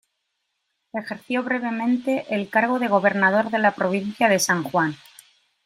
Ejerció brevemente el cargo de gobernador de la provincia de San Juan.